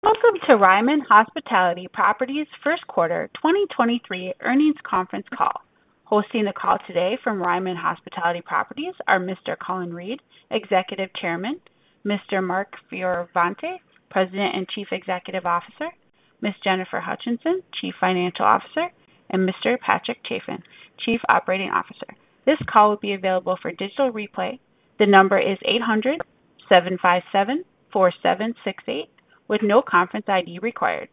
Welcome to Ryman Hospitality Properties Q1 2023 earnings conference call. Hosting the call today from Ryman Hospitality Properties are Mr. Colin Reed, Executive Chairman, Mr. Mark Fioravanti, President and Chief Executive Officer, Ms. Jennifer Hutcheson, Chief Financial Officer, and Mr. Patrick Chaffin, Chief Operating Officer. This call will be available for digital replay. The number is 800-757-4768, with no conference ID required.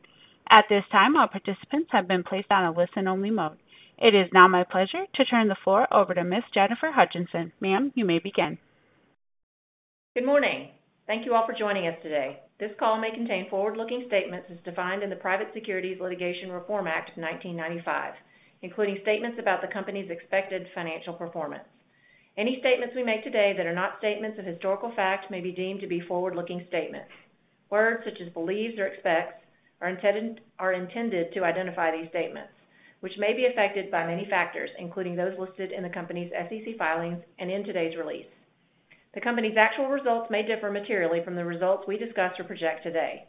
At this time, all participants have been placed on a listen-only mode. It is now my pleasure to turn the floor over to Ms. Jennifer Hutcheson. Ma'am, you may begin. Good morning. Thank you all for joining us today. This call may contain forward-looking statements as defined in the Private Securities Litigation Reform Act of 1995, including statements about the company's expected financial performance. Any statements we make today that are not statements of historical fact may be deemed to be forward-looking statements. Words such as believes or expects are intended to identify these statements, which may be affected by many factors, including those listed in the company's SEC filings and in today's release. The company's actual results may differ materially from the results we discuss or project today.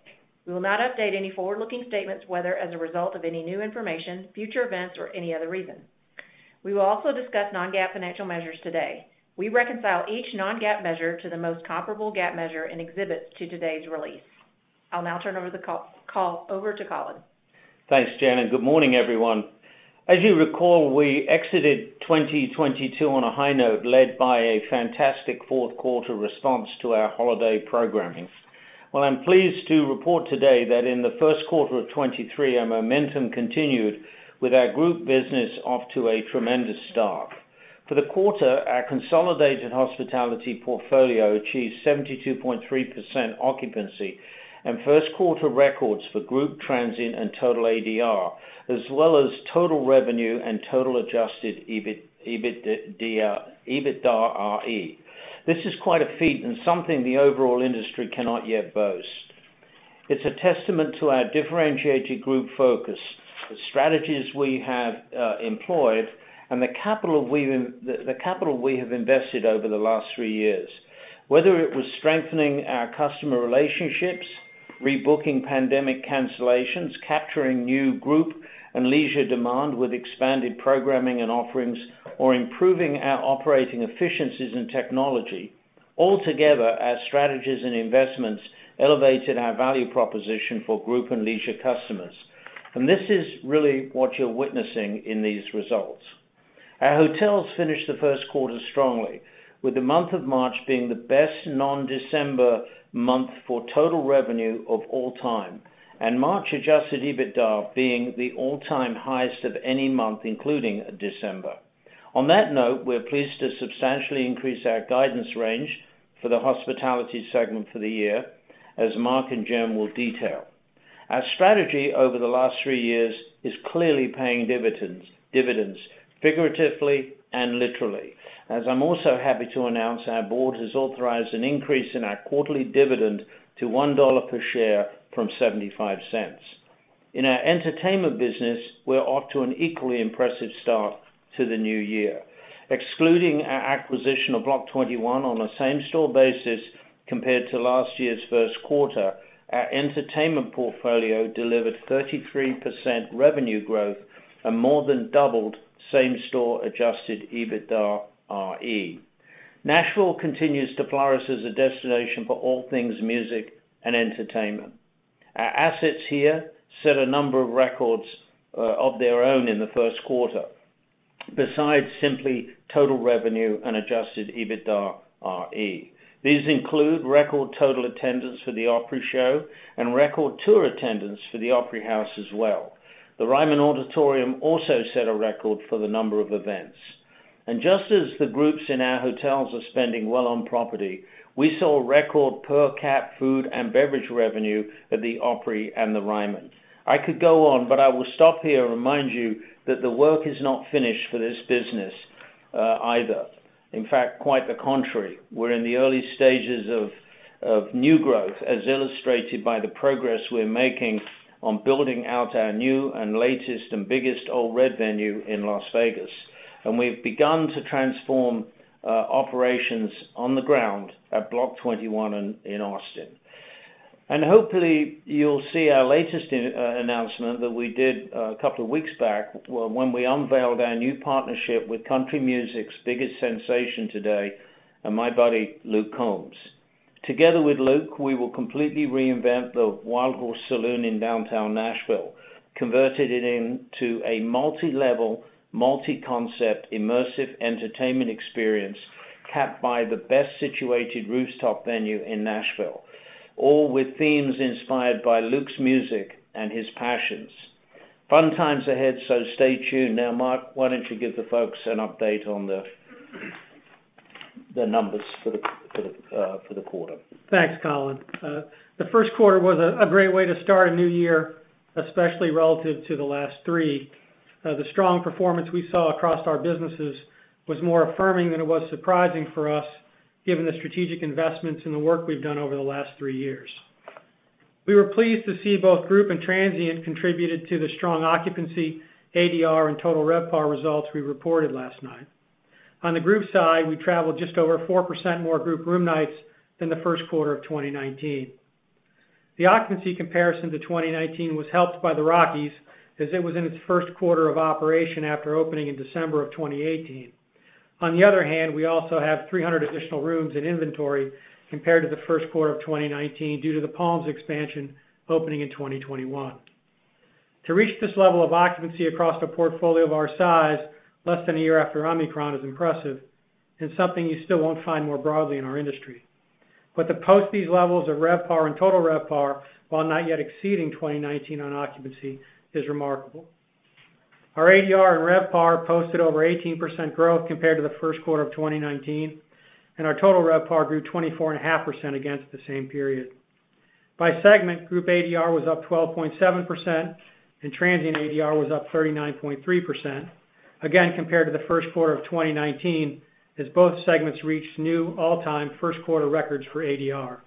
We will not update any forward-looking statements, whether as a result of any new information, future events, or any other reason. We will also discuss non-GAAP financial measures today. We reconcile each non-GAAP measure to the most comparable GAAP measure in exhibits to today's release. I'll now turn over the call over to Colin. Thanks, Jen. Good morning, everyone. As you recall, we exited 2022 on a high note, led by a fantastic fourth quarter response to our holiday programming. I'm pleased to report today that in the first quarter of 2023, our momentum continued with our group business off to a tremendous start. For the quarter, our consolidated hospitality portfolio achieved 72.3% occupancy and Q1 records for group transient and total ADR, as well as total revenue and total adjusted EBIT, EBITDA, EBITDARE. This is quite a feat and something the overall industry cannot yet boast. It's a testament to our differentiated group focus, the strategies we have employed, and the capital we have invested over the last three years. Whether it was strengthening our customer relationships, rebooking pandemic cancellations, capturing new group and leisure demand with expanded programming and offerings, or improving our operating efficiencies in technology, altogether, our strategies and investments elevated our value proposition for group and leisure customers. This is really what you're witnessing in these results. Our hotels finished the first quarter strongly, with the month of March being the best non-December month for total revenue of all time, and March adjusted EBITDA being the all-time highest of any month, including December. On that note, we're pleased to substantially increase our guidance range for the hospitality segment for the year, as Mark and Jen will detail. Our strategy over the last three years is clearly paying dividends, figuratively and literally, as I'm also happy to announce our board has authorized an increase in our quarterly dividend to $1 per share from $0.75. In our entertainment business, we're off to an equally impressive start to the new year. Excluding our acquisition of Block 21 on a same-store basis compared to last year's Q1, our entertainment portfolio delivered 33% revenue growth and more than doubled same-store adjusted EBITDARE. Nashville continues to flourish as a destination for all things music and entertainment. Our assets here set a number of records of their own in the first quarter, besides simply total revenue and adjusted EBITDARE. These include record total attendance for the Opry show and record tour attendance for the Opry House as well. The Ryman Auditorium also set a record for the number of events. Just as the groups in our hotels are spending well on property, we saw record per cap food and beverage revenue at the Opry and The Ryman. I could go on, but I will stop here and remind you that the work is not finished for this business either. In fact, quite the contrary. We're in the early stages of new growth, as illustrated by the progress we're making on building out our new and latest and biggest Ole Red venue in Las Vegas. We've begun to transform operations on the ground at Block 21 in Austin. Hopefully, you'll see our latest announcement that we did a couple of weeks back when we unveiled our new partnership with country music's biggest sensation today, and my buddy, Luke Combs. Together with Luke, we will completely reinvent the Wildhorse Saloon in downtown Nashville, converted it into a multi-level, multi-concept, immersive entertainment experience capped by the best situated rooftop venue in Nashville, all with themes inspired by Luke's music and his passions. Fun times ahead. Stay tuned. Mark, why don't you give the folks an update on the numbers for the quarter? Thanks, Colin. The Q1 was a great way to start a new year, especially relative to the last three. The strong performance we saw across our businesses was more affirming than it was surprising for us, given the strategic investments and the work we've done over the last three years. We were pleased to see both group and transient contributed to the strong occupancy, ADR, and total RevPAR results we reported last night. On the group side, we traveled just over 4% more group room nights than the first quarter of 2019. The occupancy comparison to 2019 was helped by the Rockies as it was in its first quarter of operation after opening in December of 2018. On the other hand, we also have 300 additional rooms in inventory compared to the first quarter of 2019 due to the Palms expansion opening in 2021. To reach this level of occupancy across the portfolio of our size less than a year after Omicron is impressive, and something you still won't find more broadly in our industry. To post these levels of RevPAR and total RevPAR, while not yet exceeding 2019 on occupancy, is remarkable. Our ADR and RevPAR posted over 18% growth compared to the first quarter of 2019, and our total RevPAR grew 24.5% against the same period. By segment, group ADR was up 12.7%, and transient ADR was up 39.3%, again, compared to the first quarter of 2019, as both segments reached new all-time first quarter records for ADR.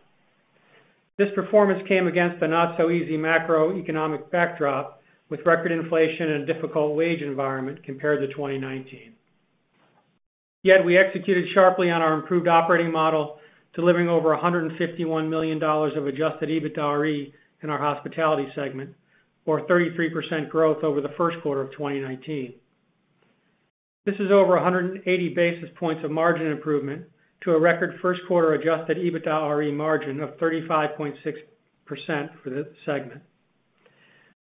This performance came against the not so easy macroeconomic backdrop, with record inflation and difficult wage environment compared to 2019. We executed sharply on our improved operating model, delivering over $151 million of adjusted EBITDARE in our hospitality segment, or 33% growth over the first quarter of 2019. This is over 180 basis points of margin improvement to a record first quarter adjusted EBITDARE margin of 35.6% for this segment.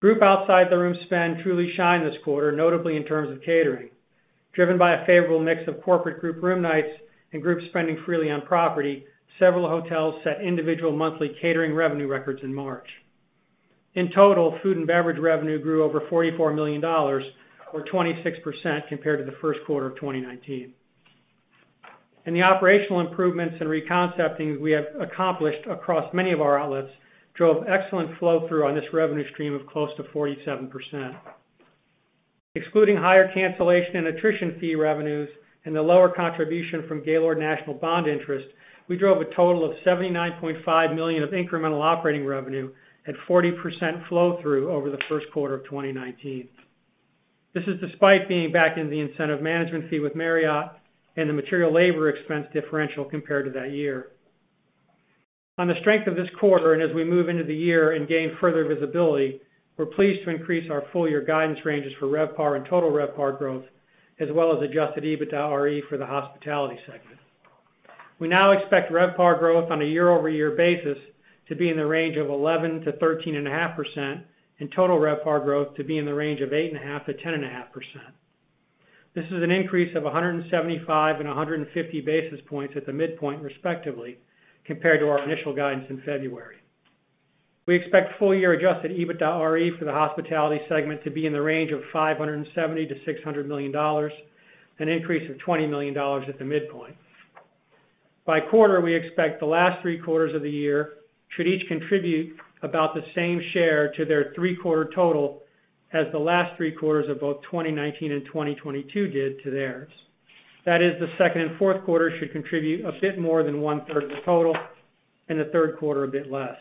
Group outside the room spend truly shined this quarter, notably in terms of catering. Driven by a favorable mix of corporate group room nights and group spending freely on property, several hotels set individual monthly catering revenue records in March. In total, food and beverage revenue grew over $44 million, or 26% compared to the Q1 of 2019. The operational improvements and reconcepting we have accomplished across many of our outlets drove excellent flow through on this revenue stream of close to 47%. Excluding higher cancellation and attrition fee revenues and the lower contribution from Gaylord National bond interest, we drove a total of $79.5 million of incremental operating revenue at 40% flow through over the first quarter of 2019. This is despite being back in the incentive management fee with Marriott and the material labor expense differential compared to that year. On the strength of this quarter, and as we move into the year and gain further visibility, we're pleased to increase our full year guidance ranges for RevPAR and total RevPAR growth, as well as adjusted EBITDARE for the hospitality segment. We now expect RevPAR growth on a year-over-year basis to be in the range of 11%-13.5%, and total RevPAR growth to be in the range of 8.5%-10.5%. This is an increase of 175 and 150 basis points at the midpoint, respectively, compared to our initial guidance in February. We expect full year adjusted EBITDARE for the hospitality segment to be in the range of $570 million-$600 million, an increase of $20 million at the midpoint. By quarter, we expect the last three quarters of the year should each contribute about the same share to their Q3 total as the last three quarters of both 2019 and 2022 did to theirs. That is, the second and Q4 should contribute a bit more than 1/3 of the total, and the Q3 a bit less.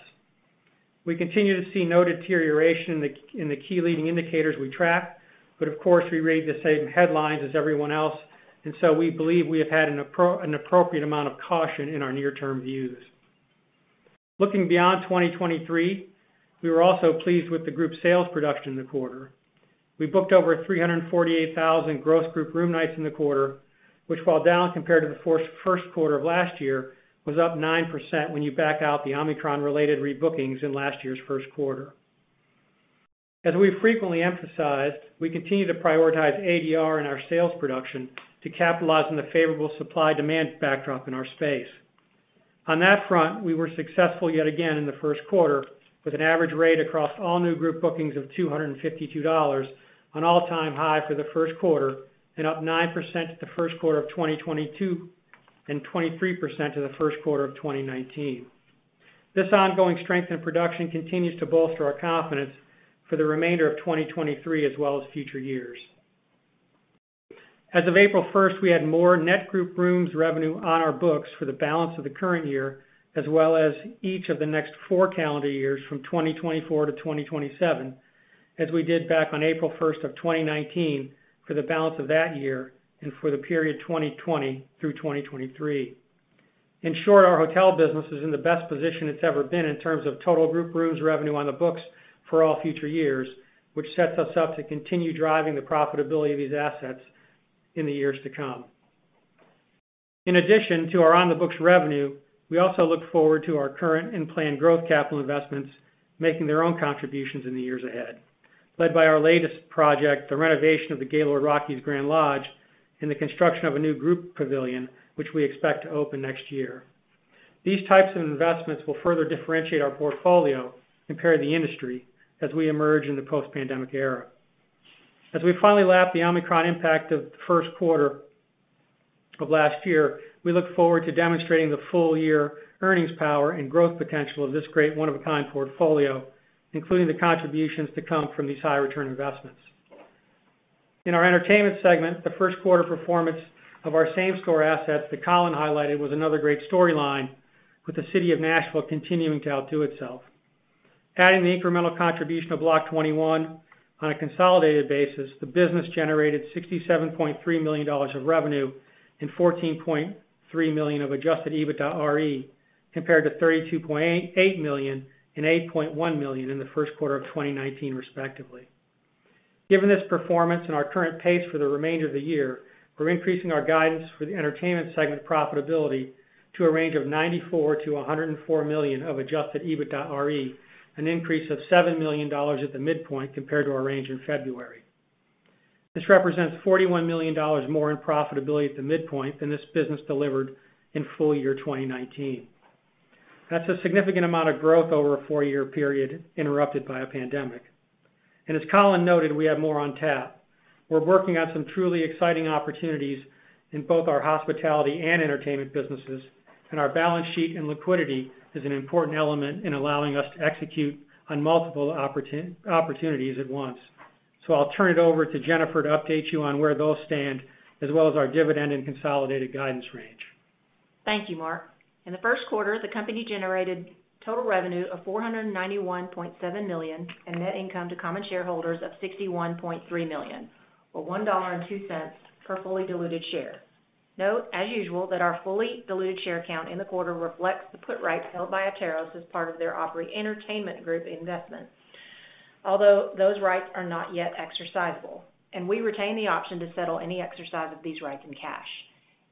We continue to see no deterioration in the key leading indicators we track, but of course, we read the same headlines as everyone else, and so we believe we have had an appropriate amount of caution in our near-term views. Looking beyond 2023, we were also pleased with the group sales production in the quarter. We booked over 348,000 gross group room nights in the quarter, which while down compared to the first quarter of last year, was up 9% when you back out the Omicron related rebookings in last year's first quarter. As we frequently emphasized, we continue to prioritize ADR in our sales production to capitalize on the favorable supply demand backdrop in our space. On that front, we were successful yet again in the first quarter with an average rate across all new group bookings of $252 an all-time high for the first quarter and up 9% to the first quarter of 2022, and 23% to the first quarter of 2019. This ongoing strength in production continues to bolster our confidence for the remainder of 2023 as well as future years. As of April 1st, we had more net group rooms revenue on our books for the balance of the current year, as well as each of the next four calendar years from 2024 to 2027, as we did back on April first of 2019 for the balance of that year and for the period 2020 through 2023. In short, our hotel business is in the best position it's ever been in terms of total group rooms revenue on the books for all future years, which sets us up to continue driving the profitability of these assets in the years to come. In addition to our on the books revenue, we also look forward to our current and planned growth capital investments making their own contributions in the years ahead, led by our latest project, the renovation of the Gaylord Rockies Grand Lodge, and the construction of a new group pavilion, which we expect to open next year. These types of investments will further differentiate our portfolio compared to the industry as we emerge in the post-pandemic era. As we finally lap the Omicron impact of the first quarter of last year, we look forward to demonstrating the full year earnings power and growth potential of this great one-of-a-kind portfolio, including the contributions to come from these high return investments. In our entertainment segment, the Q1 performance of our same store assets that Colin highlighted was another great storyline with the city of Nashville continuing to outdo itself. Adding the incremental contribution of Block 21 on a consolidated basis, the business generated $67.3 million of revenue and $14.3 million of adjusted EBITDARE, compared to $32.8 million and $8.1 million in the first quarter of 2019, respectively. Given this performance and our current pace for the remainder of the year, we're increasing our guidance for the entertainment segment profitability to a range of $94 million-$104 million of adjusted EBITDARE, an increase of $7 million at the midpoint compared to our range in February. This represents $41 million more in profitability at the midpoint than this business delivered in full year 2019. That's a significant amount of growth over a four-year period interrupted by a pandemic. As Colin noted, we have more on tap. We're working on some truly exciting opportunities in both our hospitality and entertainment businesses, and our balance sheet and liquidity is an important element in allowing us to execute on multiple opportunities at once. I'll turn it over to Jennifer to update you on where those stand, as well as our dividend and consolidated guidance range. Thank you, Mark. In the first quarter, the company generated total revenue of $491.7 million and net income to common shareholders of $61.3 million, or $1.02 per fully diluted share. Note, as usual, that our fully diluted share count in the quarter reflects the put rights held by Atairos as part of their Opry Entertainment Group investment. Those rights are not yet exercisable, and we retain the option to settle any exercise of these rights in cash.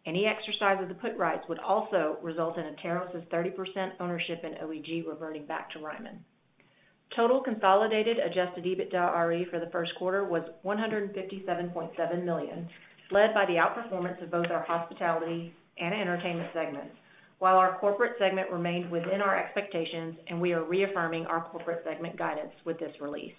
Any exercise of the put rights would also result in Atairos' 30% ownership in OEG reverting back to Ryman. Total consolidated adjusted EBITDARE for the Q1 was $157.7 million, led by the outperformance of both our hospitality and entertainment segments, while our corporate segment remained within our expectations. We are reaffirming our corporate segment guidance with this release.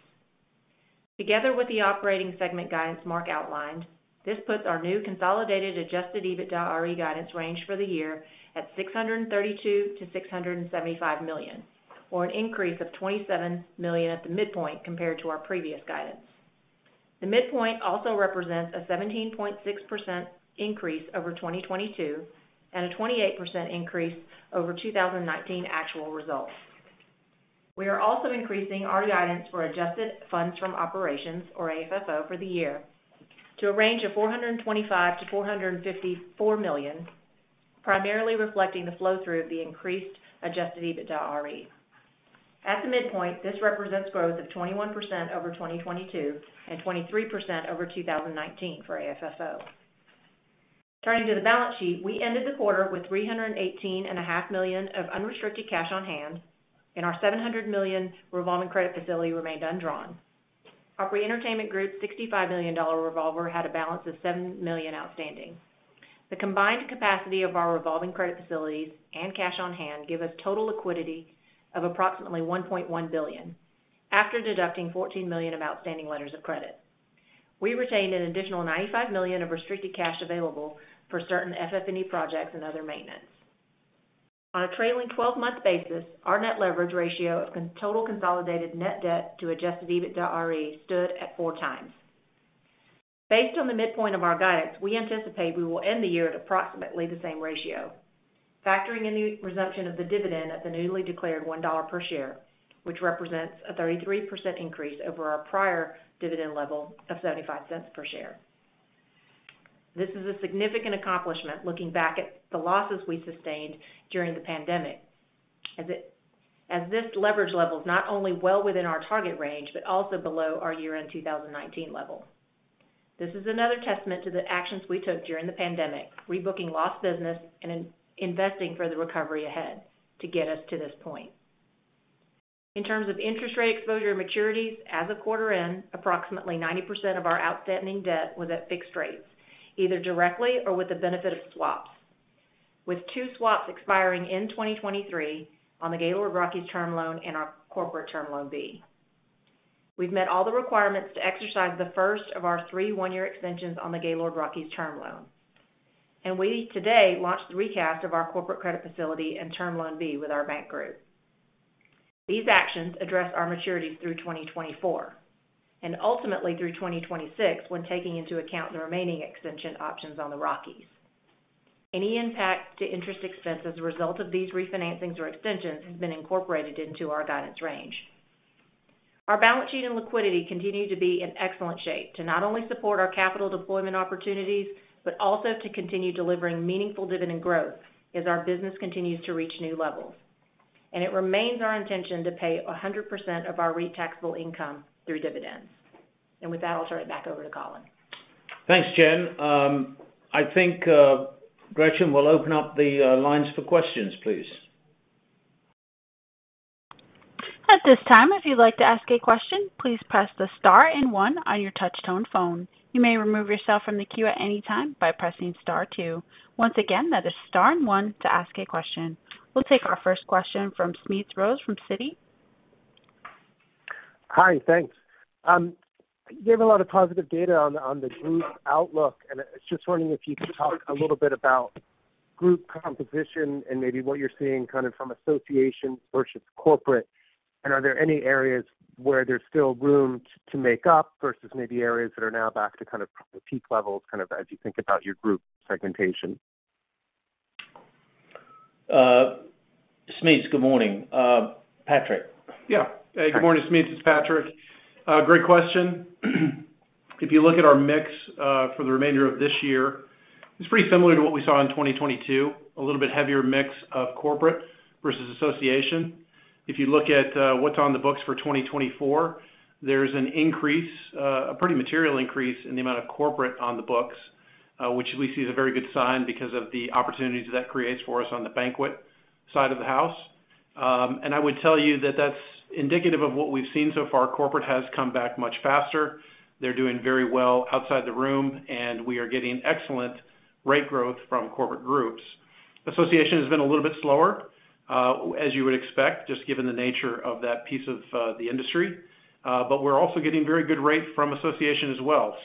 Together with the operating segment guidance Mark outlined, this puts our new consolidated adjusted EBITDARE guidance range for the year at $632 million-$675 million, or an increase of $27 million at the midpoint compared to our previous guidance. The midpoint also represents a 17.6% increase over 2022 and a 28% increase over 2019 actual results. We are also increasing our guidance for adjusted funds from operations, or AFFO, for the year to a range of $425 million-$454 million, primarily reflecting the flow-through of the increased adjusted EBITDARE. At the midpoint, this represents growth of 21% over 2022 and 23% over 2019 for AFFO. Turning to the balance sheet, we ended the quarter with $318.5 million of unrestricted cash on hand, and our $700 million revolving credit facility remained undrawn. Our pre-Entertainment Group $65 million revolver had a balance of $7 million outstanding. The combined capacity of our revolving credit facilities and cash on hand give us total liquidity of approximately $1.1 billion after deducting $14 million of outstanding letters of credit. We retained an additional $95 million of restricted cash available for certain FF&E projects and other maintenance. On a trailing 12-month basis, our net leverage ratio of total consolidated net debt to adjusted EBITDARE stood at four times. Based on the midpoint of our guidance, we anticipate we will end the year at approximately the same ratio, factoring in the resumption of the dividend at the newly declared $1 per share, which represents a 33% increase over our prior dividend level of $0.75 per share. This is a significant accomplishment looking back at the losses we sustained during the pandemic, as this leverage level is not only well within our target range, but also below our year-end 2019 level. This is another testament to the actions we took during the pandemic, rebooking lost business and investing for the recovery ahead to get us to this point. In terms of interest rate exposure maturities, as of quarter end, approximately 90% of our outstanding debt was at fixed rates, either directly or with the benefit of swaps, with two swaps expiring in 2023 on the Gaylord Rockies term loan and our corporate Term Loan B. We've met all the requirements to exercise the first of our three one-year extensions on the Gaylord Rockies term loan, we today launched the recast of our corporate credit facility and Term Loan B with our bank group. These actions address our maturities through 2024 and ultimately through 2026 when taking into account the remaining extension options on the Rockies. Any impact to interest expense as a result of these refinancings or extensions has been incorporated into our guidance range. Our balance sheet and liquidity continue to be in excellent shape to not only support our capital deployment opportunities, but also to continue delivering meaningful dividend growth as our business continues to reach new levels. It remains our intention to pay 100% of our REIT taxable income through dividends. With that, I'll turn it back over to Colin. Thanks, Jen. I think Gretchen will open up the lines for questions, please. At this time, if you'd like to ask a question, please press the star and one on your touch-tone phone. You may remove yourself from the queue at any time by pressing star two. Once again, that is star and one to ask a question. We'll take our first question from Smedes Rose from Citi. Hi. Thanks. You have a lot of positive data on the group outlook, and I was just wondering if you could talk a little bit about group composition and maybe what you're seeing kind of from association versus corporate? Are there any areas where there's still room to make up versus maybe areas that are now back to kind of peak levels kind of as you think about your group segmentation? Smedes, good morning. Patrick. Good morning, Smedes. It's Patrick. Great question. If you look at our mix for the remainder of this year, it's pretty similar to what we saw in 2022, a little bit heavier mix of corporate versus association. If you look at what's on the books for 2024, there's an increase, a pretty material increase in the amount of corporate on the books, which we see is a very good sign because of the opportunities that creates for us on the banquet side of the house. I would tell you that that's indicative of what we've seen so far. Corporate has come back much faster. They're doing very well outside the room, and we are getting excellent rate growth from corporate groups. Association has been a little bit slower, as you would expect, just given the nature of that piece of the industry. We're also getting very good rate from association as well.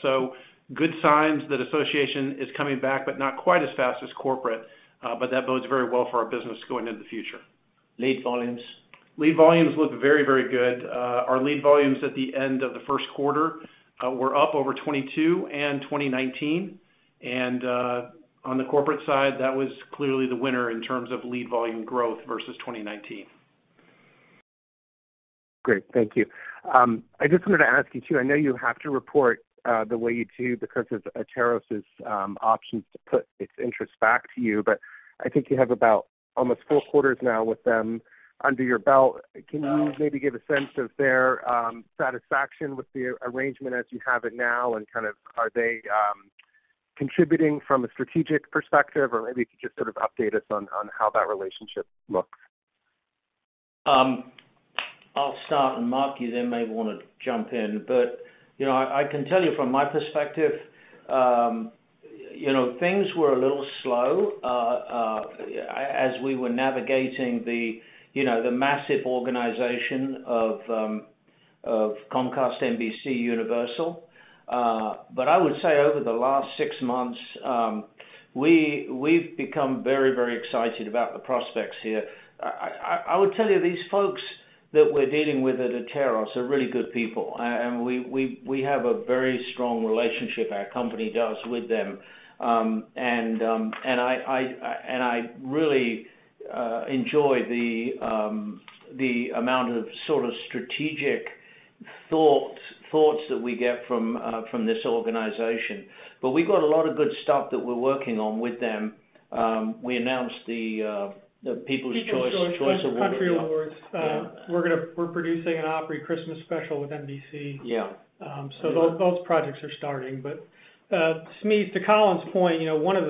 Good signs that association is coming back, but not quite as fast as corporate, but that bodes very well for our business going into the future. Lead volumes? Lead volumes look very, very good. Our lead volumes at the end of the first quarter, were up over 2022 and 2019. On the corporate side, that was clearly the winner in terms of lead volume growth versus 2019. Great. Thank you. I just wanted to ask you too, I know you have to report, the way you do because of Atairos', options to put its interest back to you, but I think you have about almost four quarters now with them under your belt. Can you maybe give a sense of their satisfaction with the arrangement as you have it now? Kind of, are they contributing from a strategic perspective? Or maybe you could just sort of update us on how that relationship looks. I'll start, and Mark, you then may wanna jump in. You know, I can tell you from my perspective, you know, things were a little slow as we were navigating the, you know, the massive organization of Comcast NBCUniversal. I would say over the last six months, we've become very, very excited about the prospects here. I would tell you, these folks that we're dealing with at Atairos are really good people, and we have a very strong relationship, our company does, with them. And I really enjoy the amount of sort of strategic thoughts that we get from this organization. We've got a lot of good stuff that we're working on with them. We announced the People's Choice Awards. People's Choice and Country Awards. We're producing an Opry Christmas special with NBC. Yeah. Those projects are starting. Smedes, to Colin's point, you know, one of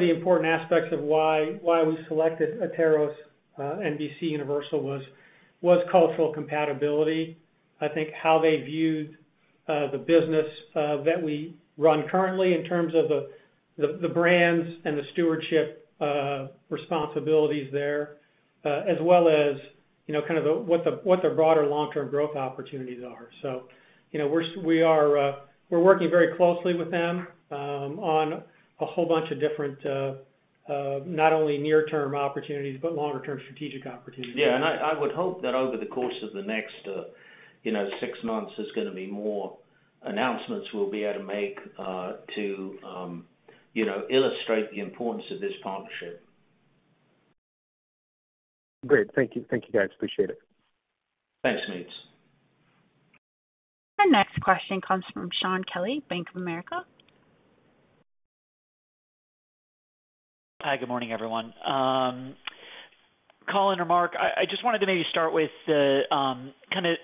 the important aspects of why we selected Atairos, NBC Universal was cultural compatibility. I think how they viewed the business that we run currently in terms of the brands and the stewardship responsibilities there, as well as, you know, what the broader long-term growth opportunities are. You know, we are working very closely with them on a whole bunch of different not only near-term opportunities but longer-term strategic opportunities. Yeah. I would hope that over the course of the next, you know, six months, there's gonna be more announcements we'll be able to make, to, you know, illustrate the importance of this partnership. Great. Thank you. Thank you guys. Appreciate it. Thanks, Smedes. Our next question comes from Shaun Kelley, Bank of America. Hi, good morning, everyone. Colin or Mark, I just wanted to maybe start with the kinda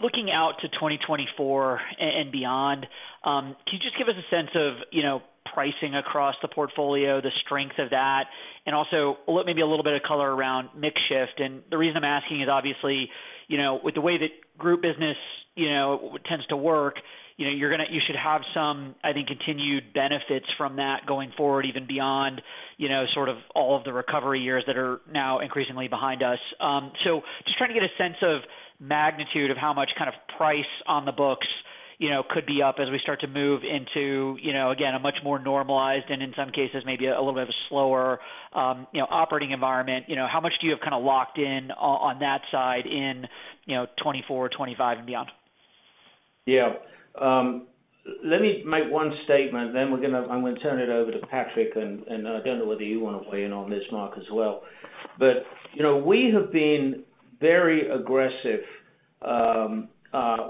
looking out to 2024 and beyond. Can you just give us a sense of, you know, pricing across the portfolio, the strength of that? Also maybe a little bit of color around mix shift. The reason I'm asking is obviously, you know, with the way that group business, you know, tends to work, you know, you should have some, I think, continued benefits from that going forward, even beyond, you know, sort of all of the recovery years that are now increasingly behind us. Just trying to get a sense of magnitude of how much kind of price on the books, you know, could be up as we start to move into, you know, again, a much more normalized, and in some cases, maybe a little bit of a slower, you know, operating environment. You know, how much do you have kinda locked in on that side in, you know, 2024, 2025 and beyond? Let me make one statement, then I'm gonna turn it over to Patrick, and I don't know whether you wanna weigh in on this, Mark, as well. You know, we have been very aggressive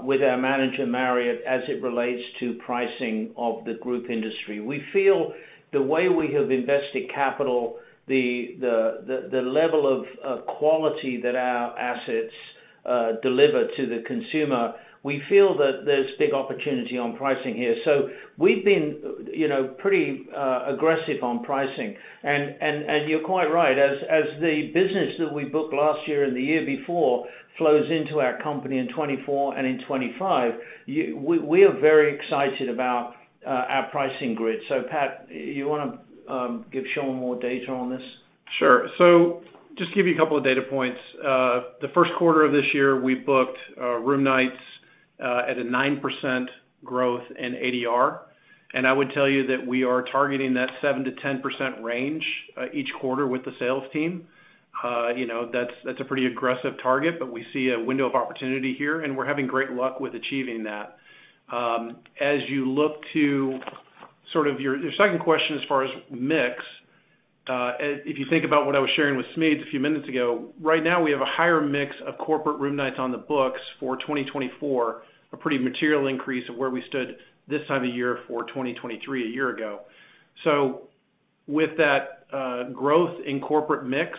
with our manager, Marriott, as it relates to pricing of the group industry. We feel the way we have invested capital, the level of quality that our assets deliver to the consumer, we feel that there's big opportunity on pricing here. We've been, you know, pretty aggressive on pricing. You're quite right. As the business that we booked last year and the year before flows into our company in 2024 and in 2025, we are very excited about our pricing grid. Pat, you wanna give Shaun more data on this? Sure. Just give you a couple of data points. The Q1 of this year, we booked room nights at a 9% growth in ADR. I would tell you that we are targeting that 7%-10% range each quarter with the sales team. You know, that's a pretty aggressive target, but we see a window of opportunity here, and we're having great luck with achieving that. As you look to sort of your second question as far as mix, if you think about what I was sharing with Smedes a few minutes ago. Right now we have a higher mix of corporate room nights on the books for 2024, a pretty material increase of where we stood this time of year for 2023, a year ago. With that, growth in corporate mix,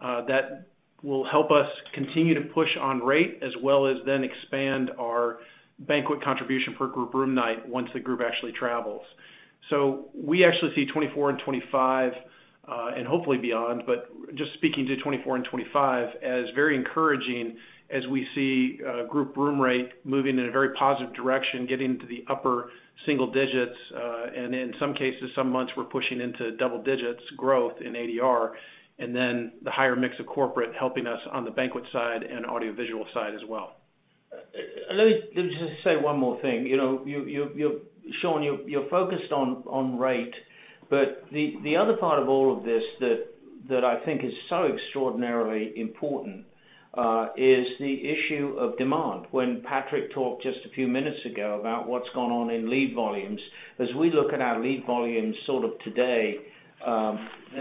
that will help us continue to push on rate as well as then expand our banquet contribution per group room night once the group actually travels. We actually see 2024 and 2025, and hopefully beyond, but just speaking to 2024 and 2025 as very encouraging as we see group room rate moving in a very positive direction, getting to the upper single digits, and in some cases, some months we're pushing into double digits growth in ADR, and then the higher mix of corporate helping us on the banquet side and audiovisual side as well. Let me just say one more thing. You know, Shaun, you're focused on rate, the other part of all of this that I think is so extraordinarily important is the issue of demand. When Patrick talked just a few minutes ago about what's gone on in lead volumes, as we look at our lead volumes sort of today,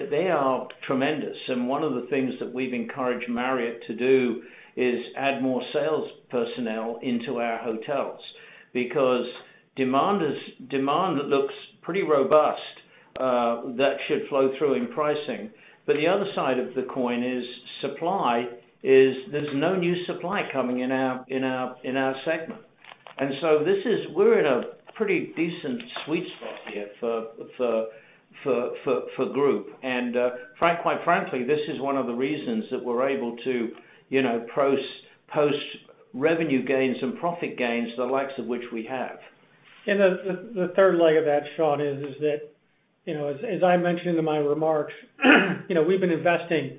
they are tremendous. One of the things that we've encouraged Marriott to do is add more sales personnel into our hotels because demand looks pretty robust, that should flow through in pricing. The other side of the coin is supply there's no new supply coming in our segment. We're in a pretty decent sweet spot here for group. Quite frankly, this is one of the reasons that we're able to, you know, post revenue gains and profit gains, the likes of which we have. The third leg of that, Shaun, is that, you know, as I mentioned in my remarks, you know, we've been investing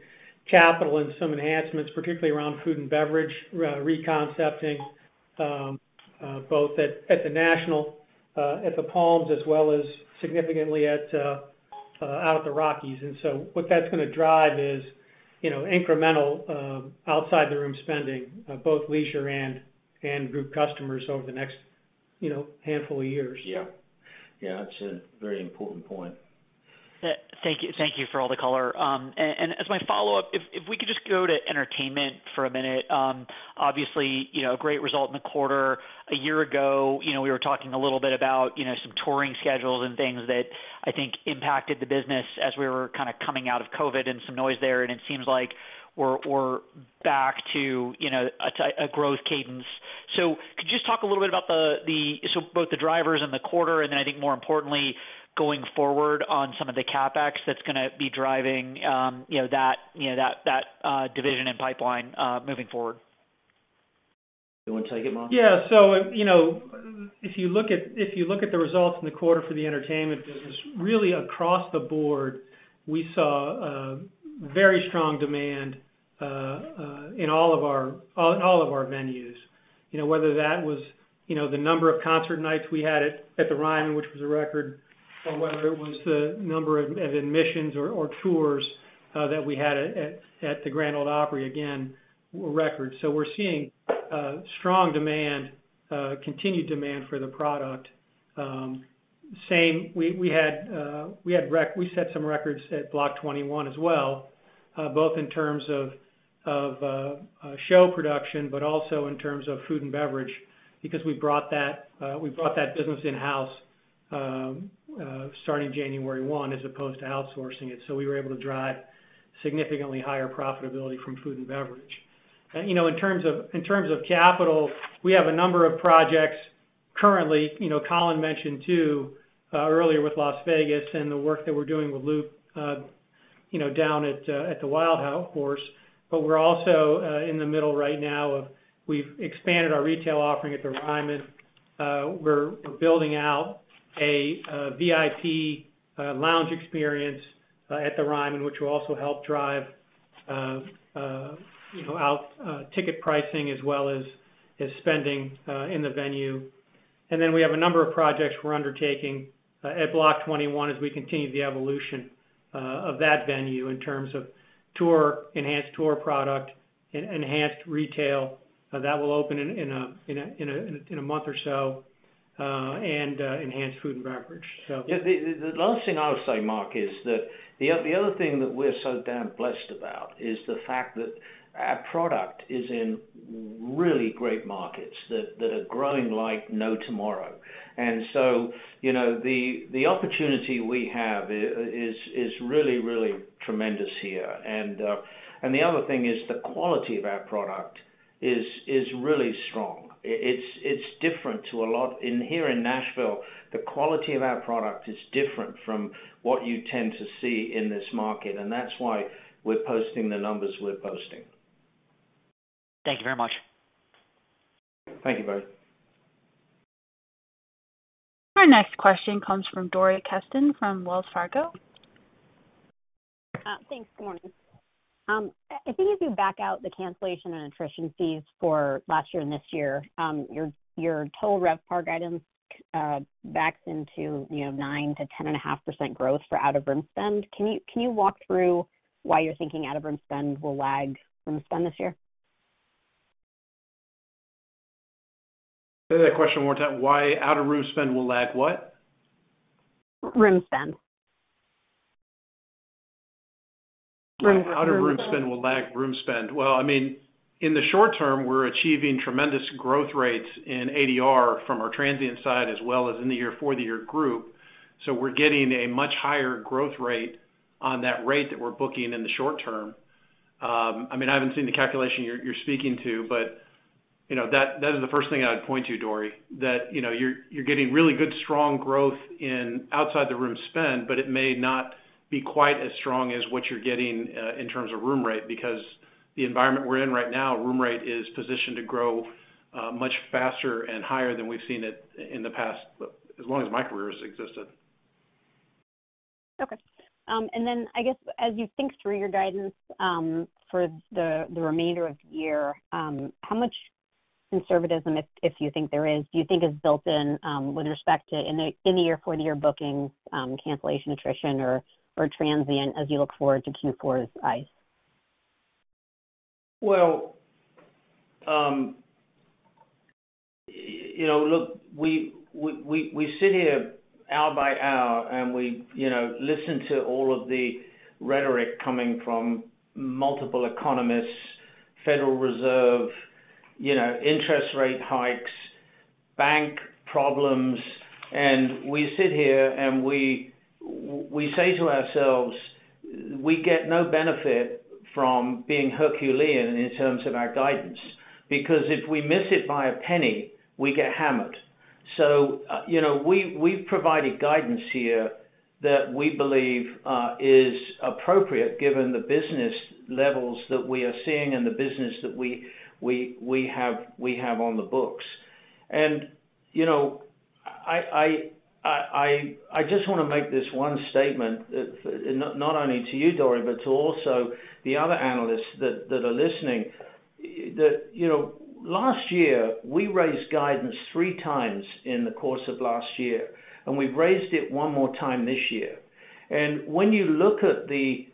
capital in some enhancements, particularly around food and beverage, reconcepting, both at the National, at the Palms, as well as significantly out at the Rockies. What that's gonna drive is, you know, incremental, outside the room spending, both leisure and group customers over the next, you know, handful of years. Yeah. Yeah, that's a very important point. Thank you. Thank you for all the color. As my follow-up, if we could just go to entertainment for a minute. Obviously, you know, a great result in the quarter. A year ago, you know, we were talking a little bit about, you non-touring schedules and things that I think impacted the business as we were coming out of COVID and some noise there, and it seems like we're back to, you know, a growth cadence. Could you just talk a little bit about both the drivers and the quarter, and then I think more importantly, going forward on some of the CapEx that's gonna be driving, you know, that, you know, that division and pipeline moving forward. You wanna take it, Mark? Yeah. You know, if you look at, if you look at the results in the quarter for the entertainment business, really across the board, we saw very strong demand in all of our venues. You know, whether that was, you know, the number of concert nights we had at the Ryman, which was a record, or whether it was the number of admissions or tours that we had at the Grand Ole Opry, again, record. We're seeing strong demand, continued demand for the product. Same... We had we set some records at Block 21 as well, both in terms of show production, but also in terms of food and beverage, because we brought that business in-house, starting January 1 as opposed to outsourcing it. We were able to drive significantly higher profitability from food and beverage. You know, in terms of capital, we have a number of projects currently. You know, Colin mentioned two earlier with Las Vegas and the work that we're doing with Loop, you know, down at the Wild Horse. We're also in the middle right now of we've expanded our retail offering at the Ryman. We're building out a VIP lounge experience at the Ryman, which will also help drive, you know, out ticket pricing as well as spending in the venue. We have a number of projects we're undertaking at Block 21 as we continue the evolution of that venue in terms of tour, enhanced tour product, enhanced retail that will open in a month or so, and enhanced food and beverage. Yeah. The last thing I'll say, Mark, is that the other thing that we're so damn blessed about is the fact that our product is in really great markets that are growing like no tomorrow. You know, the opportunity we have is really, really tremendous here. The other thing is the quality of our product is really strong. It's different to a lot. Here in Nashville, the quality of our product is different from what you tend to see in this market, and that's why we're posting the numbers we're posting. Thank you very much. Thank you both. Our next question comes from Dori Kesten from Wells Fargo. Thanks. Good morning. If any of you back out the cancellation and attrition fees for last year and this year, your total RevPAR guidance backs into, you know, 9% to 10.5% growth for out-of-room spend. Can you walk through why you're thinking out-of-room spend will lag room spend this year? Say that question one more time. Why out-of-room spend will lag what? Room spend. Why out-of-room spend will lag room spend. Well, I mean, in the short term, we're achieving tremendous growth rates in ADR from our transient side as well as for the year group. We're getting a much higher growth rate on that rate that we're booking in the short term. I mean, I haven't seen the calculation you're speaking to, but, you know, that is the first thing I'd point to, Dori, that, you know, you're getting really good, strong growth in outside-the-room spend, but it may not be quite as strong as what you're getting in terms of room rate. The environment we're in right now, room rate is positioned to grow much faster and higher than we've seen it in the past as long as my career has existed. I guess as you think through your guidance, for the remainder of the year, how much conservatism, if you think there is, do you think is built in, with respect to in the, in the year, quarter year bookings, cancellation, attrition, or transient as you look forward to Q4 as ICE!? you know, look, we sit here hour by hour, we, you know, listen to all of the rhetoric coming from multiple economists, Federal Reserve, you know, interest rate hikes, bank problems, we sit here and we say to ourselves, "We get no benefit from being Herculean in terms of our guidance, because if we miss it by $0.01, we get hammered." you know, we've provided guidance here that we believe is appropriate given the business levels that we are seeing and the business that we have on the books. You know, I just wanna make this one statement that not only to you, Dori, but to also the other analysts that are listening, you know, last year, we raised guidance three times in the course of last year, and we've raised it one more time this year. When you look at the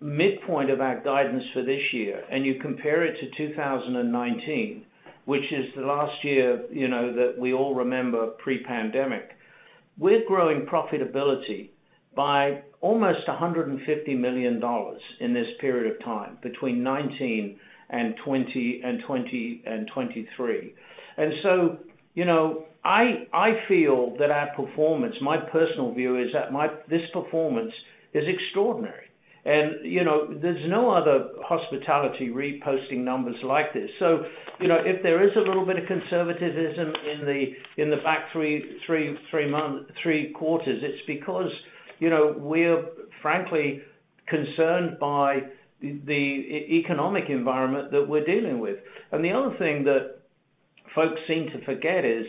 midpoint of our guidance for this year, and you compare it to 2019, which is the last year, you know, that we all remember pre-pandemic, we're growing profitability by almost $150 million in this period of time between 2019 and 2020 and 2020 and 2023. You know, I feel that our performance, my personal view is that this performance is extraordinary. You know, there's no other hospitality reposting numbers like this. You know, if there is a little bit of conservatism in the, in the back three quarters, it's because, you know, we're frankly concerned by the economic environment that we're dealing with. The other thing that folks seem to forget is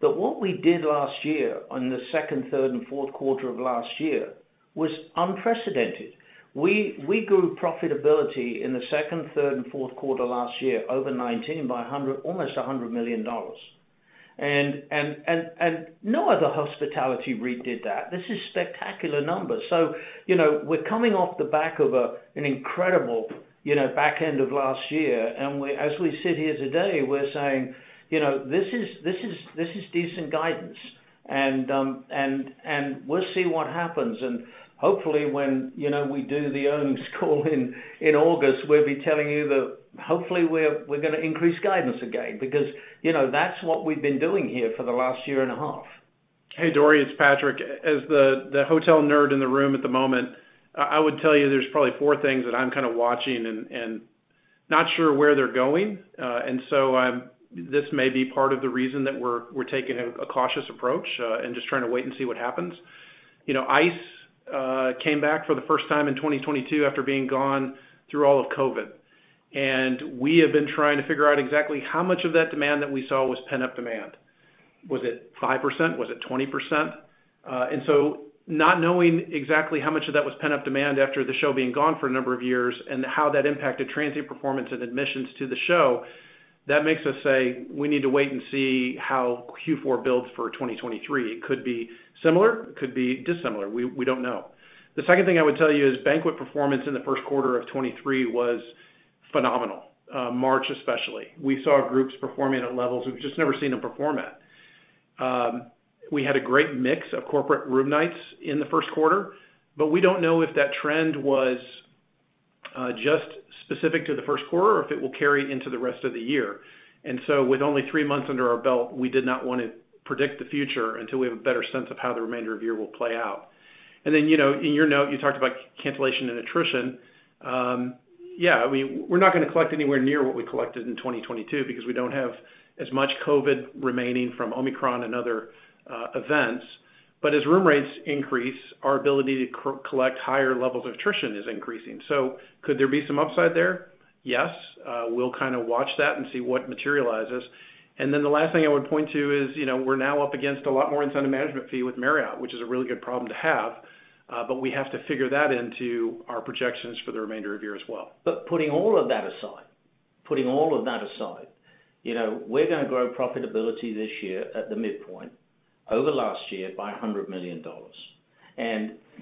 that what we did last year on the second, third, and fourth quarter of last year was unprecedented. We grew profitability in the second, third, and Q4 last year over 2019 by almost $100 million. No other hospitality redid that. This is spectacular numbers. You know, we're coming off the back of an incredible, you know, back end of last year, and as we sit here today, we're saying, you know, this is, this is, this is decent guidance and we'll see what happens. Hopefully when, you know, we do the earnings call in August, we'll be telling you that hopefully we're gonna increase guidance again because, you know, that's what we've been doing here for the last year and a half. Hey, Dori, it's Patrick. As the hotel nerd in the room at the moment, I would tell you there's probably four things that I'm kind of watching and not sure where they're going. This may be part of the reason that we're taking a cautious approach and just trying to wait and see what happens. You know, ICE came back for the first time in 2022 after being gone through all of COVID. We have been trying to figure out exactly how much of that demand that we saw was pent-up demand. Was it 5%? Was it 20%? Not knowing exactly how much of that was pent-up demand after the show being gone for a number of years and how that impacted transient performance and admissions to the show, that makes us say we need to wait and see how Q4 builds for 2023. It could be similar, it could be dissimilar. We don't know. The second thing I would tell you is banquet performance in the Q1 of 2023 was phenomenal, March especially. We saw groups performing at levels we've just never seen them perform at. We had a great mix of corporate room nights in the Q1, we don't know if that trend was just specific to the Q1 or if it will carry into the rest of the year. With only three months under our belt, we did not wanna predict the future until we have a better sense of how the remainder of the year will play out. you know, in your note you talked about cancellation and attrition. yeah, we're not gonna collect anywhere near what we collected in 2022 because we don't have as much COVID remaining from Omicron and other events. as room rates increase, our ability to collect higher levels of attrition is increasing. could there be some upside there? Yes. we'll kind of watch that and see what materializes. The last thing I would point to is, you know, we're now up against a lot more incentive management fee with Marriott, which is a really good problem to have, but we have to figure that into our projections for the remainder of the year as well. Putting all of that aside, you know, we're gonna grow profitability this year at the midpoint over last year by $100 million.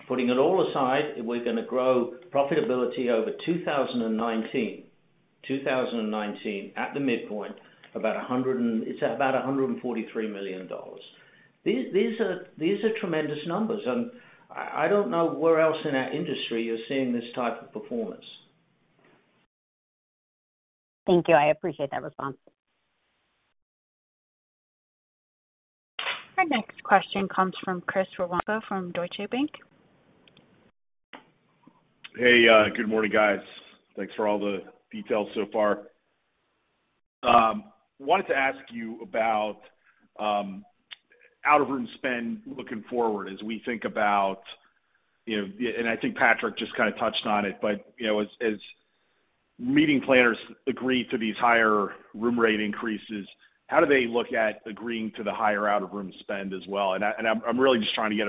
Putting it all aside, we're gonna grow profitability over 2019 at the midpoint, about $143 million. These are tremendous numbers, and I don't know where else in our industry you're seeing this type of performance. Thank you. I appreciate that response. Our next question comes from Chris Woronka from Deutsche Bank. Hey, good morning, guys. Thanks for all the details so far. Wanted to ask you about out of room spend looking forward as we think about. I think Patrick just kind of touched on it, but, you know, as meeting planners agree to these higher room rate increases, how do they look at agreeing to the higher out of room spend as well? I'm really just trying to get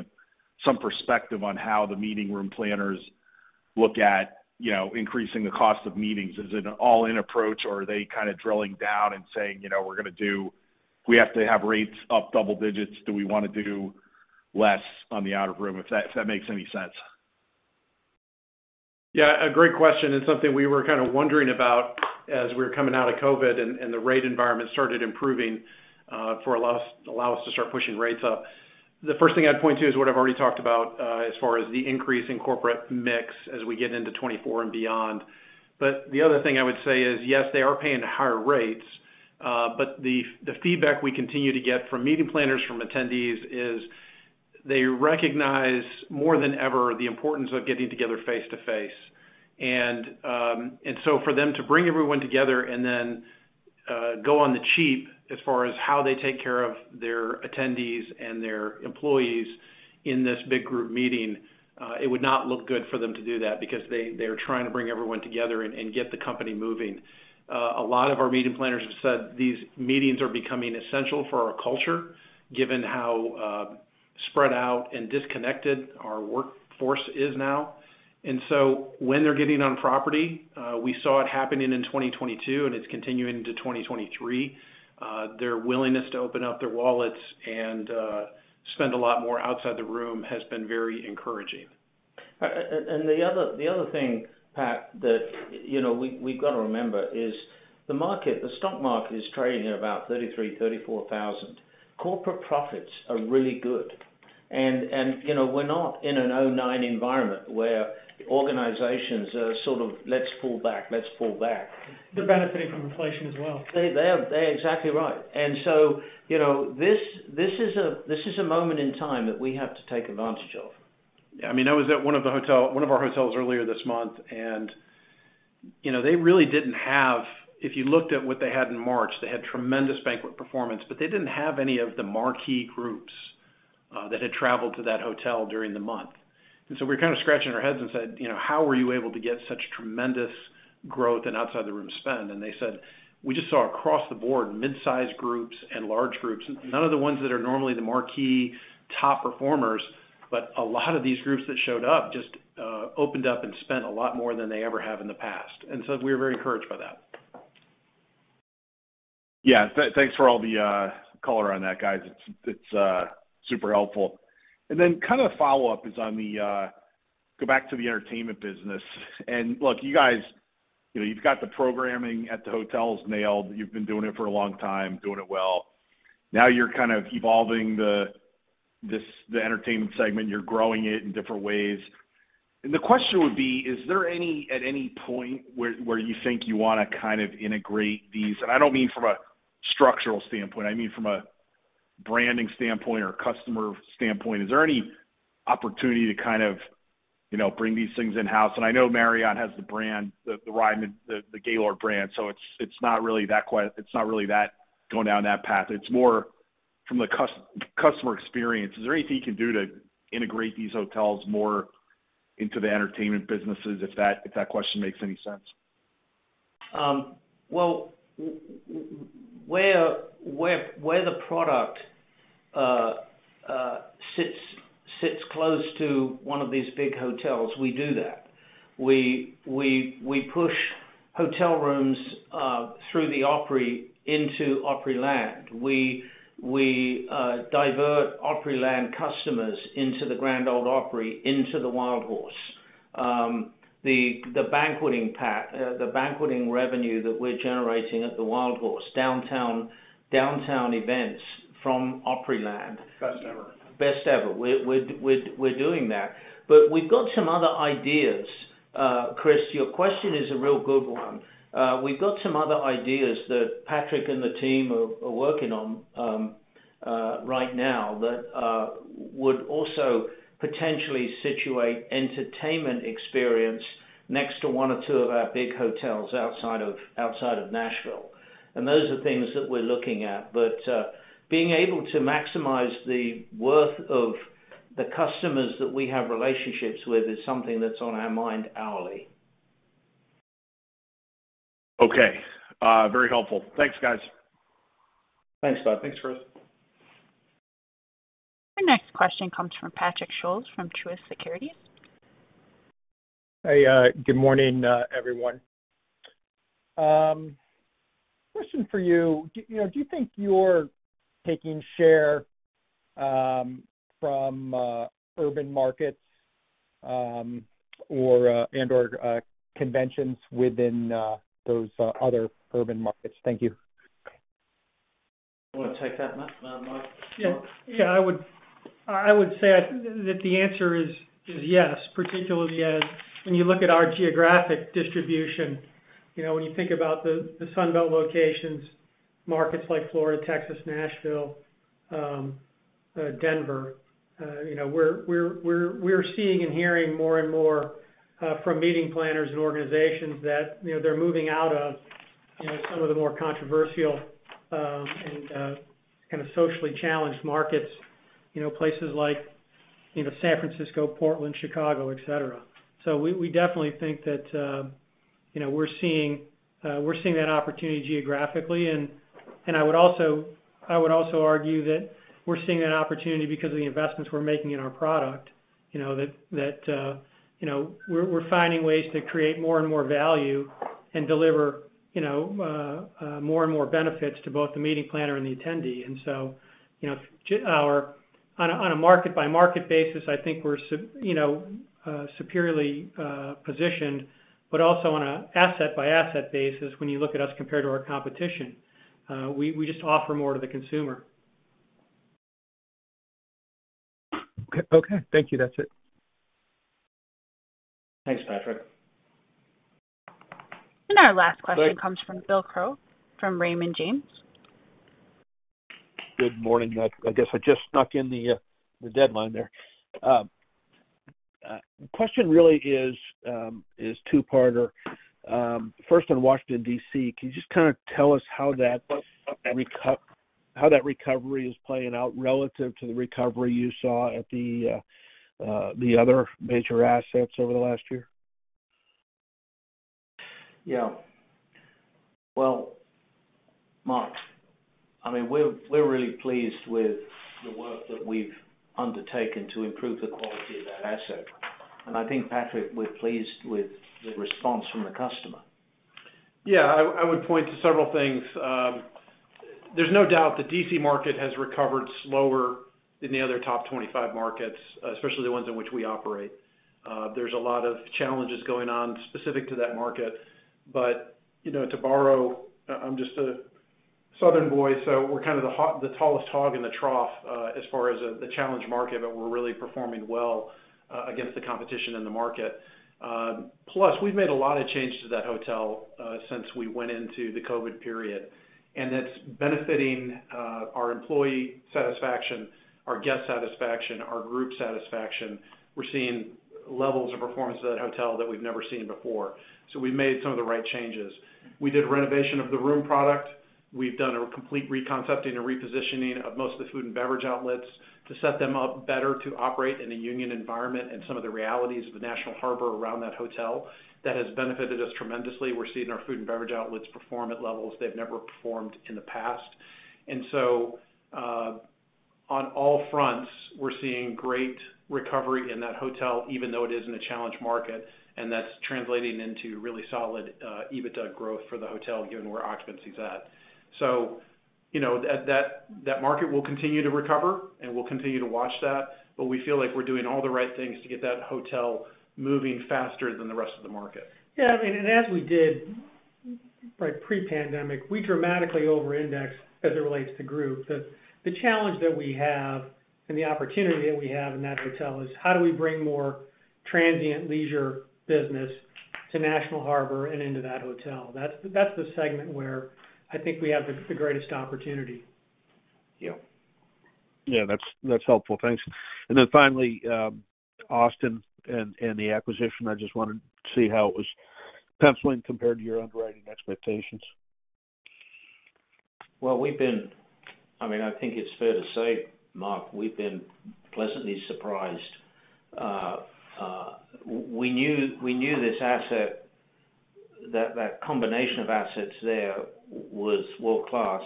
some perspective on how the meeting room planners look at, you know, increasing the cost of meetings. Is it an all-in approach or are they kinda drilling down and saying, "You know, we have to have rates up double digits. Do we wanna do less on the out of room?" If that, if that makes any sense. Yeah, a great question. It's something we were kind of wondering about as we were coming out of COVID and the rate environment started improving, allow us to start pushing rates up. The first thing I'd point to is what I've already talked about, as far as the increase in corporate mix as we get into 2024 and beyond. The other thing I would say is, yes, they are paying higher rates, but the feedback we continue to get from meeting planners, from attendees is they recognize more than ever the importance of getting together face-to-face. For them to bring everyone together and then go on the cheap as far as how they take care of their attendees and their employees in this big group meeting, it would not look good for them to do that because they're trying to bring everyone together and get the company moving. A lot of our meeting planners have said these meetings are becoming essential for our culture, given how spread out and disconnected our workforce is now. When they're getting on property, we saw it happening in 2022, and it's continuing to 2023, their willingness to open up their wallets and spend a lot more outside the room has been very encouraging. The other thing, Pat, that, you know, we've gotta remember is the market, the stock market is trading at about $33,000, $34,000. Corporate profits are really good. You know, we're not in a 2009 environment where organizations are sort of, let's pull back, let's pull back. They're benefiting from inflation as well. They are. They're exactly right. You know, this is a moment in time that we have to take advantage of. Yeah. I mean, I was at one of our hotels earlier this month, and, you know, they really didn't have. If you looked at what they had in March, they had tremendous banquet performance, but they didn't have any of the marquee groups that had traveled to that hotel during the month. We're kind of scratching our heads and said, you know, "How were you able to get such tremendous growth and outside the room spend?" They said, "We just saw across the board midsize groups and large groups, none of the ones that are normally the marquee top performers, but a lot of these groups that showed up just opened up and spent a lot more than they ever have in the past." We were very encouraged by that. Yeah. Thanks for all the color on that, guys. It's super helpful. Kind of follow-up is on the go back to the entertainment business. Look, you guys, you know, you've got the programming at the hotels nailed. You've been doing it for a long time, doing it well. Now you're kind of evolving the entertainment segment. You're growing it in different ways. The question would be, is there any point where you think you wanna kind of integrate these? I don't mean from a structural standpoint, I mean from a branding standpoint or customer standpoint. Is there any opportunity to kind of, you know, bring these things in-house? I know Marriott has the brand, the Ryman, the Gaylord brand, so it's not really that, going down that path. It's more from the customer experience. Is there anything you can do to integrate these hotels more into the entertainment businesses, if that, if that question makes any sense? Well, where the product sits close to one of these big hotels, we do that. We push hotel rooms through the Opry into Opryland. We divert Opryland customers into the Grand Ole Opry into the Wildhorse. The banqueting revenue that we're generating at the Wildhorse, downtown events from Opryland. Best ever. Best ever. We're doing that. We've got some other ideas. Chris, your question is a real good one. We've got some other ideas that Patrick and the team are working on right now that would also potentially situate entertainment experience next to one or two of our big hotels outside of Nashville. Those are things that we're looking at. Being able to maximize the worth of the customers that we have relationships with is something that's on our mind hourly. Okay. Very helpful. Thanks, guys. Thanks, bud. Thanks, Chris. Your next question comes from Patrick Scholes from Truist Securities. Hey, good morning, everyone. Question for you. Do, you know, do you think you're taking share from urban markets or and or conventions within those other urban markets? Thank you. Wanna take that, Mark? Yeah. Yeah, I would say that the answer is yes, particularly as when you look at our geographic distribution, you know, when you think about the Sun Belt locations, markets like Florida, Texas, Nashville, Denver, you know, we're seeing and hearing more and more from meeting planners and organizations that, you know, they're moving out of, you know, some of the more controversial and kind of socially challenged markets, you know, places like, you know, San Francisco, Portland, Chicago, et cetera. We definitely think that, you know, we're seeing that opportunity geographically. I would also argue that we're seeing that opportunity because of the investments we're making in our product, you know, that, you know, we're finding ways to create more and more value and deliver, you know, more and more benefits to both the meeting planner and the attendee. You know, our. On a market by market basis, I think we're you know, superiorly positioned, but also on an asset by asset basis, when you look at us compared to our competition, we just offer more to the consumer. Okay. Thank you. That's it. Thanks, Patrick. Our last question comes from Bill Crow from Raymond James. Good morning. I guess I just snuck in the deadline there. The question really is two-parter. First on Washington D.C., can you just kind of tell us how that recovery is playing out relative to the recovery you saw at the other major assets over the last year? Well, Mark, I mean, we're really pleased with the work that we've undertaken to improve the quality of that asset. And I think, Patrick, we're pleased with the response from the customer. Yeah. I would point to several things. There's no doubt the D.C. market has recovered slower than the other top 25 markets, especially the ones in which we operate. There's a lot of challenges going on specific to that market. You know, to borrow, I'm just a Southern boy, so we're kind of the tallest hog in the trough, as far as the challenge market, but we're really performing well against the competition in the market. Plus, we've made a lot of changes to that hotel since we went into the COVID period, and that's benefiting our employee satisfaction, our guest satisfaction, our group satisfaction. We're seeing levels of performance at that hotel that we've never seen before. We've made some of the right changes. We did renovation of the room product. We've done a complete re-concepting and repositioning of most of the food and beverage outlets to set them up better to operate in a union environment and some of the realities of the National Harbor around that hotel that has benefited us tremendously. We're seeing our food and beverage outlets perform at levels they've never performed in the past. On all fronts, we're seeing great recovery in that hotel, even though it is in a challenged market, and that's translating into really solid EBITDA growth for the hotel, given where occupancy is at. You know, that market will continue to recover, and we'll continue to watch that, but we feel like we're doing all the right things to get that hotel moving faster than the rest of the market. Yeah. I mean, and as we did, like pre-pandemic, we dramatically over-indexed as it relates to group. The challenge that we have and the opportunity that we have in that hotel is how do we bring more transient leisure business to National Harbor and into that hotel? That's the segment where I think we have the greatest opportunity. Yeah. Yeah. That's helpful. Thanks. Finally, Austin and the acquisition, I just wanted to see how it was penciling compared to your underwriting expectations. Well, we've been... I mean, I think it's fair to say, Mark, we've been pleasantly surprised. We knew this asset, that combination of assets there was world-class.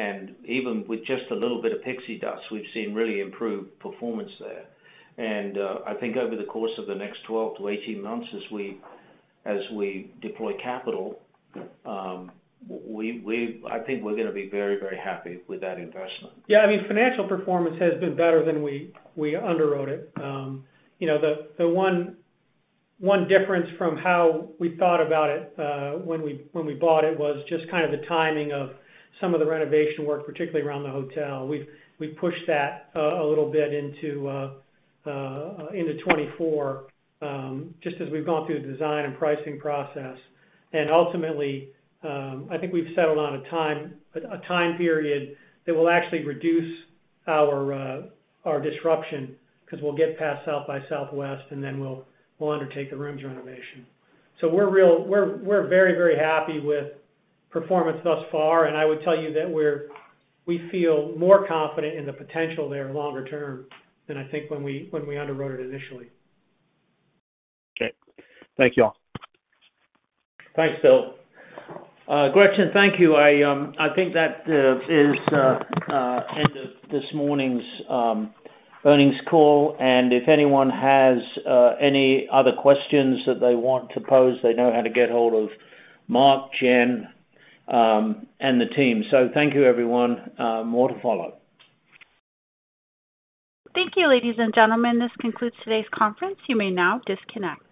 And even with just a little bit of pixie dust, we've seen really improved performance there. I think over the course of the next 12-18 months as we deploy capital, we I think we're gonna be very, very happy with that investment. Yeah. I mean, financial performance has been better than we underwrote it. You know, the one difference from how we thought about it when we bought it was just kind of the timing of some of the renovation work, particularly around the hotel. We've pushed that a little bit into 2024 just as we've gone through the design and pricing process. Ultimately, I think we've settled on a time period that will actually reduce our disruption because we'll get past South by Southwest, then we'll undertake the rooms renovation. We're very, very happy with performance thus far, and I would tell you that we feel more confident in the potential there longer term than I think when we underwrote it initially. Okay. Thank you all. Thanks, Phil. Gretchen, thank you. I think that is end of this morning's earnings call. If anyone has any other questions that they want to pose, they know how to get hold of Mark, Jen, and the team. Thank you, everyone. More to follow. Thank you, ladies and gentlemen. This concludes today's conference. You may now disconnect.